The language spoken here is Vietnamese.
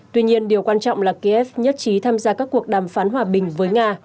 tuy nhiên điều quan trọng là kiev nhất trí tham gia các cuộc đàm phán hòa bình với nga